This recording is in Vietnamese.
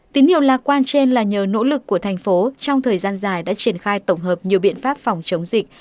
tín hiệu lạc quan trên là nhờ nỗ lực của thành phố trong thời gian dài đã triển khai tổng hợp nhiều biện pháp phòng chống dịch